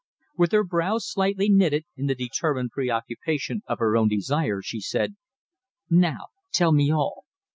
With her brows slightly knitted in the determined preoccupation of her own desires, she said "Now tell me all.